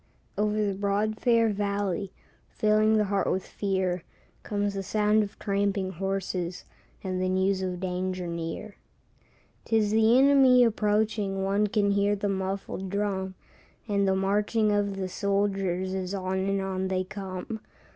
= Over the broad, fair valley, Filling the heart with fear, Comes the sound of tramping horses, And the news of danger near. 'Tis the enemy approaching, One can hear the muffled drum, And the marching of the soldiers, As on and on they come.